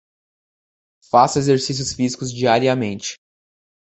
Faça exercícios físicos diariamente